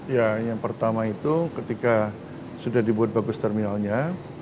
ya yang pertama itu ketika sudah dibuat bagus terminalnya